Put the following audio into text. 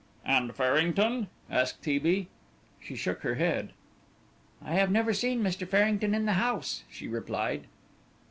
"And Farrington?" asked T. B. She shook her head. "I have never seen Mr. Farrington in the house," she replied.